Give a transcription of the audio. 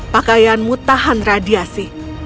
pakaianmu tahan radiasi